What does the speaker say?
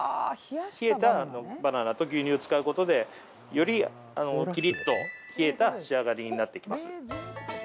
冷えたバナナと牛乳を使うことでより、キリっと冷えた仕上がりになってきます。